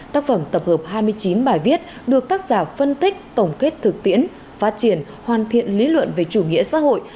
tác phẩm tập hợp hai mươi chín bài viết được tác giả phân tích tổng kết thực tiễn phát triển hoàn thiện lý luận về chủ nghĩa xã hội